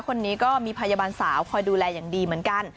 คนนี้ก็มีพยาบาลสาวคอยดูแลอย่างดีเหมือนกัน